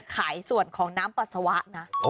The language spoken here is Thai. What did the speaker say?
ในส่วนของน้ำปัสสาวะนะ